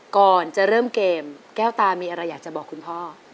ก่อนจะเริ่มเกมแก้วตามีอะไรอยากจะบอกคุณพ่อ